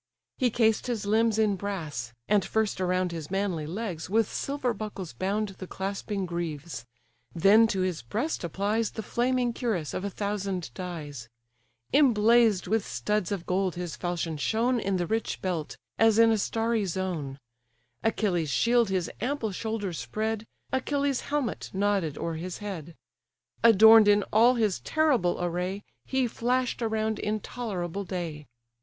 He cased his limbs in brass; and first around His manly legs, with silver buckles bound The clasping greaves; then to his breast applies The flaming cuirass of a thousand dyes; Emblazed with studs of gold his falchion shone In the rich belt, as in a starry zone: Achilles' shield his ample shoulders spread, Achilles' helmet nodded o'er his head: Adorn'd in all his terrible array, He flash'd around intolerable day.